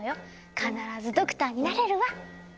必ずドクターになれるわ。